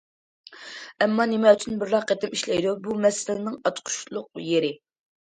ئەمما نېمە ئۈچۈن بىرلا قېتىم ئىشلەيدۇ؟ بۇ مەسىلىنىڭ ئاچقۇچلۇق يېرى.